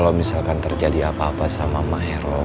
kalau misalkan terjadi apa apa sama emak eros